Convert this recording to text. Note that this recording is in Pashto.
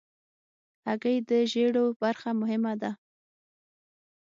هګۍ د ژیړو برخه مهمه ده.